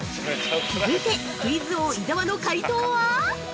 ◆続いてクイズ王・伊沢の解答は？